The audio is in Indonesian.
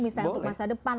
misalnya untuk masa depan